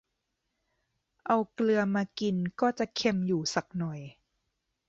เอาเกลือมากินก็จะเค็มอยู่สักหน่อย